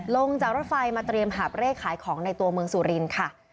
ลงจากรถไฟมาเตรียมหาบเร่ขายของในตัวเมืองสุรินทร์ค่ะ